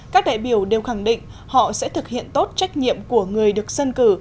các đại biểu đều khẳng định họ sẽ thực hiện tốt trách nhiệm của người được dân cử